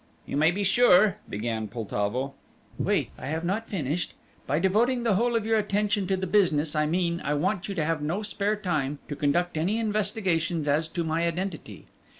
"You may be sure " began Poltavo. "Wait, I have not finished. By devoting the whole of your attention to the business, I mean I want you to have no spare time to conduct any investigations as to my identity.